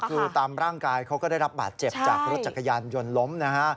คือตามร่างกายเขาก็ได้รับบาดเจ็บจากรถจักรยานยนต์ล้มนะฮะ